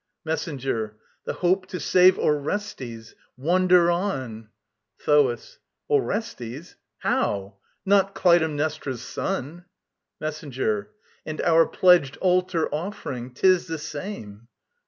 MESSENGER. The hope to save Orestes. Wonder on! THOAS. Orestes how? Not Clytemnestra's son? MESSENGER. And our pledged altar offering. 'Tis the same.